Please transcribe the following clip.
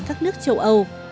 các nước châu âu